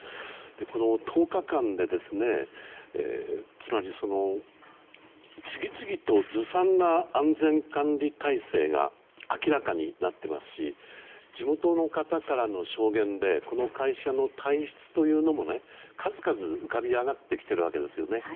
この１０日間で次々とずさんな安全管理体制が明らかになっていますし地元の方からの証言でこの会社の体質というのも数々、浮かび上がってきているわけですよね。